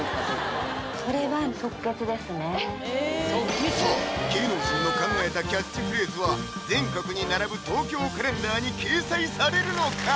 これさあ芸能人の考えたキャッチフレーズは全国に並ぶ「東京カレンダー」に掲載されるのか？